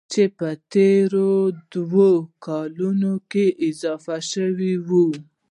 چې په تېرو دوو کلونو کې اضافه شوي وو.